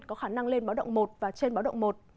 có khả năng lên báo động một và trên báo động một